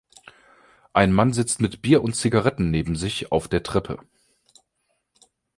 Ein Mann sitzt mit Bier und Zigaretten neben sich auf der Treppe.